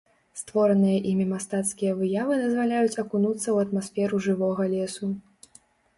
Створаныя імі мастацкія выявы дазваляюць акунуцца ў атмасферу жывога лесу.